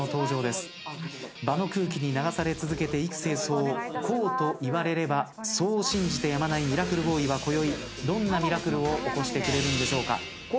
場の空気に流され続けて幾星霜こうと言われればそう信じてやまないミラクルボーイはこよいどんなミラクルを起こしてくれるんでしょうか？